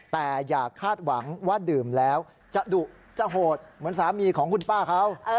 แต่อย่าคาดหวังว่าดื่มแล้วจะดุจะโหดเหมือนสามีของคุณป้าเขา